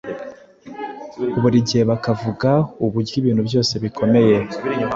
buri gihe bakavuga uburyo ibintu byose bikomeye.